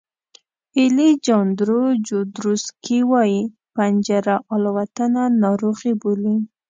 الیجاندرو جودروسکي وایي پنجره الوتنه ناروغي بولي.